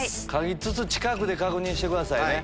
嗅ぎつつ近くで確認してくださいね。